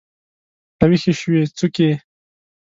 راویښې شوي څوکې